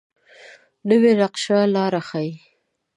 نوې نقشه لاره ښيي